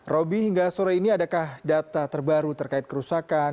roby hingga sore ini adakah data terbaru terkait kerusakan